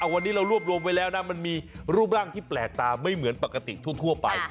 วันนี้เรารวบรวมไว้แล้วนะมันมีรูปร่างที่แปลกตาไม่เหมือนปกติทั่วไป